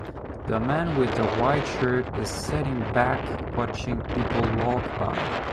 The man with a white shirt is setting back watching people walk by.